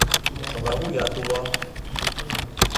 Шогавуят уло.